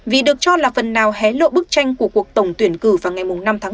vì được cho là phần nào hé lộ bức tranh của cuộc tổng tuyển cử vào ngày năm